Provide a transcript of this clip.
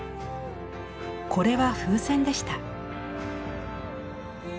これは風船でした。